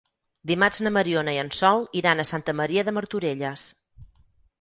Dimarts na Mariona i en Sol iran a Santa Maria de Martorelles.